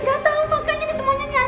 gak tau pokoknya ini semuanya nyari